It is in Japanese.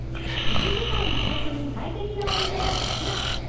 １時間遅刻に最適なお店がこちら